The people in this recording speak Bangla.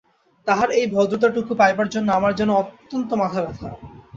তাঁহার এই ভদ্রতাটুকু পাইবার জন্য আমার যেন অত্যন্ত মাথাব্যথা!